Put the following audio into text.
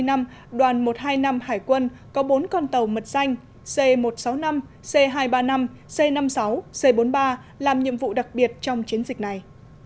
năm mươi năm đoàn một hai năm hải quân có bốn con tàu mật danh c một trăm sáu mươi năm c hai trăm ba mươi năm c năm mươi sáu c bốn mươi ba làm nhiệm vụ đặc biệt trong chiến dịch này